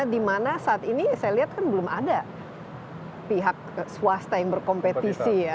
dimana saat ini saya lihat kan belum ada pihak swasta yang berkompetisi ya